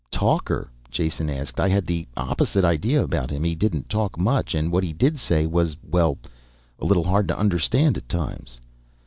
"Talker?" Jason asked. "I had the opposite idea about him. He didn't talk much, and what he did say was, well ... a little hard to understand at times."